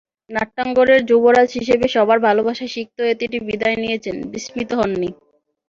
নাট্যাঙ্গনের যুবরাজ হিসেবে সবার ভালোবাসায় সিক্ত হয়ে তিনি বিদায় নিয়েছেন, বিস্মৃত হননি।